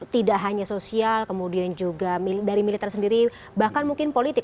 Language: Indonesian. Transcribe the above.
tidak hanya sosial kemudian juga dari militer sendiri bahkan mungkin politik